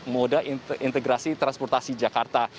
moda integrasi transportasi jakarta